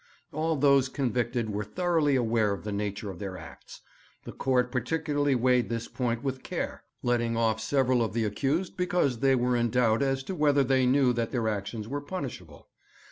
'All those convicted were thoroughly aware of the nature of their acts. The court particularly weighed this point with care, letting off several of the accused because they were in doubt as to whether they knew that their actions were punishable.